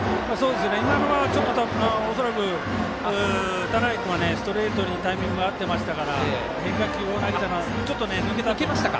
今のは恐らく、田内君はストレートにタイミングが合ってましたから変化球を投げたのは抜けましたか。